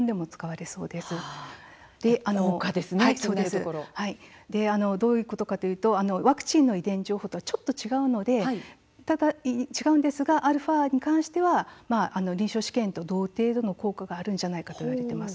効果がどういうことかというとワクチンの遺伝情報がちょっと違うんですが「アルファ」に関しては臨床試験で同程度の効果があるのではないかと出ています。